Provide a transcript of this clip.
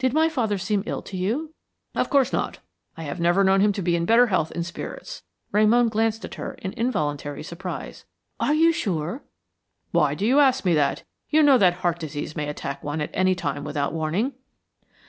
Did my father seem ill to you?" "Of course not. I had never known him to be in better health and spirits." Ramon glanced at her in involuntary surprise. "Are you sure?" "Why do you ask me that? You know that heart disease may attack one at any time without warning."